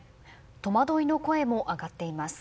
戸惑いの声も上がっています。